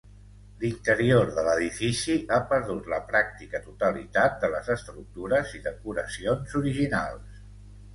L'interior de l'edifici ha perdut la pràctica totalitat de les estructures i decoracions originals.